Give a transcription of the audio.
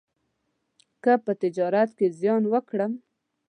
که په تجارت کې زیان وکړم،